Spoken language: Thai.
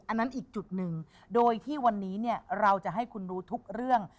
อันนั้นอีกจุดหนึ่งโดยที่วันนี้เราจะให้คุณรู้ทุกเรื่อง